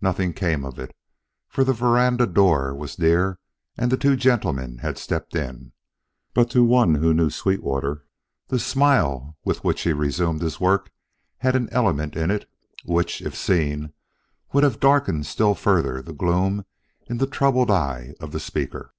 Nothing came of it, for the veranda door was near and the two gentlemen had stepped in; but to one who knew Sweetwater, the smile with which he resumed his work had an element in it which, if seen, would have darkened still further the gloom in the troubled eye of the speaker.